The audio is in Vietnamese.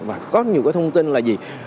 và có nhiều thông tin là